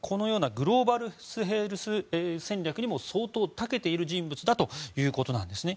グローバルヘルス戦略にも相当、たけている人物だということなんですね。